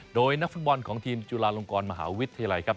โดยนักฟุตบอลของทีมจุฬาลงกรมหาวิทยาลัยครับ